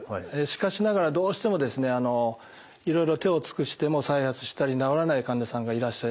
しかしながらどうしてもですねいろいろ手を尽くしても再発したり治らない患者さんがいらっしゃいます。